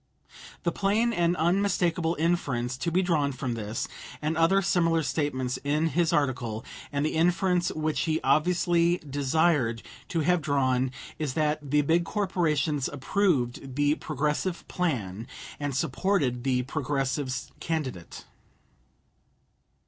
The plain and unmistakable inference to be drawn from this and other similar statements in his article, and the inference which he obviously desired to have drawn, is that the big corporations approved the Progressive plan and supported the Progressive candidate.